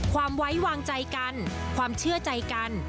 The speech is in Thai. ความไว้วางใจกันความเชื่อใจกัน